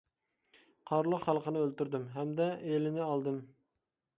قارلۇق خەلقىنى ئۆلتۈردۈم ھەمدە ئېلىنى ئالدىم.